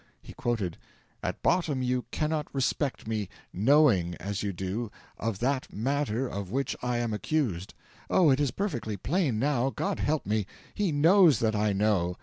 He quoted: "'At bottom you cannot respect me, KNOWING, as you do, of THAT MATTER OF which I am accused' oh, it is perfectly plain, now, God help me! He knows that I know!